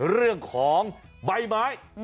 เรื่องของใบไม้